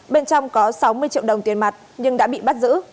bên trong có sáu mươi triệu đồng tiền mặt nhưng đã bị bắt giữ